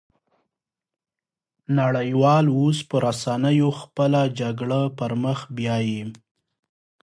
نړۍ وال اوس په رسنيو خپله جګړه پرمخ بيايي